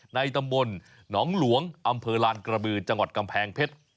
ในตำบลหนองหลวงอำเภอลานกระบือจังหวัดกำแพงเพชร